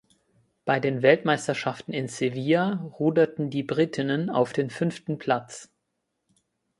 Bei den Weltmeisterschaften in Sevilla ruderten die Britinnen auf den fünften Platz.